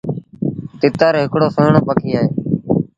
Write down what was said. تتر هڪڙو سُهيٚڻون پکي اهي۔